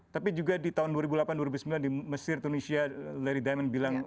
tapi juga di tahun dua ribu delapan dua ribu sembilan di mesir tunisia larry diamond bilang